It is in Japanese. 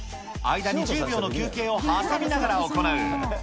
間に１０秒の休憩を挟みながら行う。